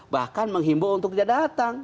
bahkan menghimbau untuk tidak datang